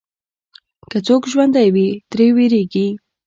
که څوک ژوندی وي، ترې وېرېږي.